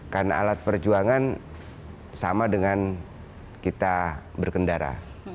karena alat perjuangan sama dengan kita berkendara